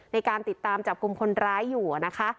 ในการติดตามจับกลุ่มคนร้ายอยู่นะคะ